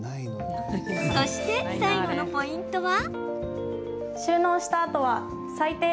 そして、最後のポイントは。